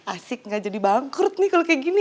asik gak jadi bangkrut nih kalau kayak gini